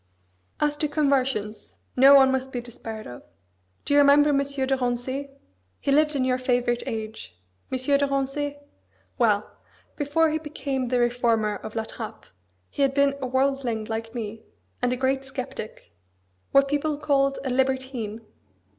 "As to conversions; no one must be despaired of. Do you remember M. de Rancé? He lived in your favourite age; M. de Rancé. Well! before he became the reformer of La Trappe he had been a worldling like me, and a great sceptic what people called a libertine.